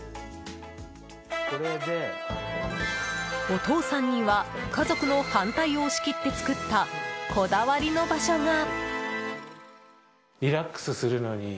お父さんには家族の反対を押し切って作ったこだわりの場所が。